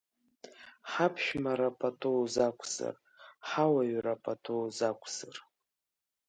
Ҳаԥшәмара пату узақәзар, ҳауаҩра пату узақәзар…